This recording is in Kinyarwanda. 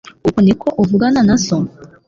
Uku niko uvugana na so?